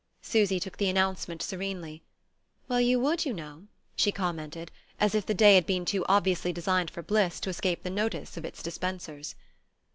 Susy took the announcement serenely. "Well, you would, you know," she commented, as if the day had been too obviously designed for bliss to escape the notice of its dispensers.